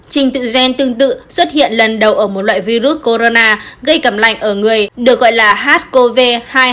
trình tự gen tương tự xuất hiện lần đầu ở một loại virus corona gây cầm lạnh ở người được gọi là sars cov hai trăm hai mươi chín e